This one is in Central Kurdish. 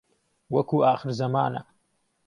وهکو ئاخر زهمانه